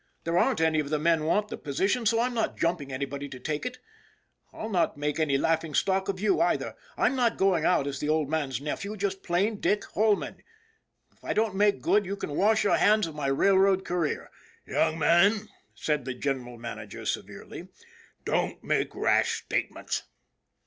There aren't any of the men want the position, so I'm not jumping anybody to take it. I'll not make any laughing stock of you, either. I'm not going out as 2 ON THE IRON AT BIG CLOUD the Old Man's nephew; just plain Dick Holman. If I don't make good you can wash your hands of my railroad career." " Young man," said the General Manager, severely, " don't make rash statements."